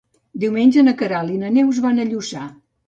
Diumenge na Queralt i na Neus van a Lluçà.